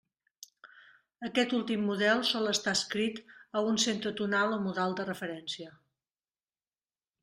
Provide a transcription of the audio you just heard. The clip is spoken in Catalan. Aquest últim model sol estar adscrit a un centre tonal o modal de referència.